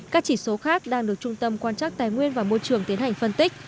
các chỉ số khác đang được trung tâm quan trắc tài nguyên và môi trường tiến hành phân tích